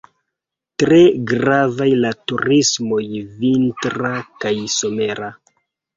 Tre gravas la turismo vintra kaj somera.